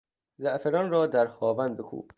زعفران را در هاون بکوب.